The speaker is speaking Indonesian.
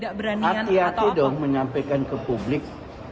hati hati dong menyampaikan ke publik